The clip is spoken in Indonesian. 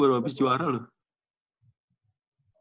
itu udah abis juara loh